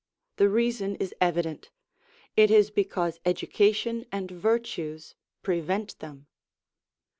The reason is evident: it is because education and virtues prevent them.